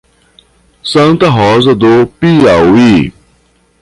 Santa Rosa do Piauí